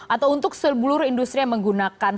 atau untuk seluruh industri yang menggunakan